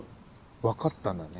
分かったんだね。